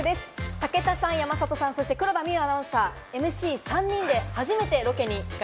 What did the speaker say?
武田さん、山里さん、そして黒田みゆアナウンサー、ＭＣ３人で初